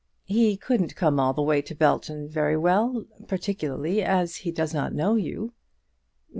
"He couldn't come all the way to Belton very well; particularly as he does not know you."